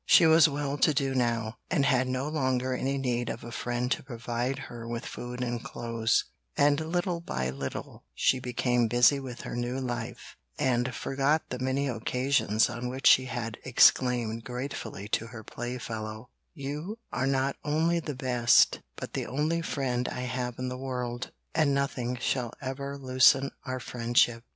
She was well to do now, and had no longer any need of a friend to provide her with food and clothes, and little by little she became busy with her new life, and forgot the many occasions on which she had exclaimed gratefully to her playfellow, 'You are not only the best, but the only friend I have in the world, and nothing shall ever loosen our friendship.'